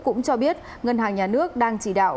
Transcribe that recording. cũng cho biết ngân hàng nhà nước đang chỉ đạo